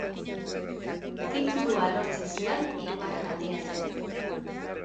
Titulua lortzen zuen hirugarren aldia zen.